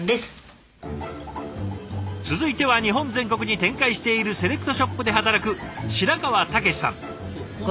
続いては日本全国に展開しているセレクトショップで働く白川剛さん。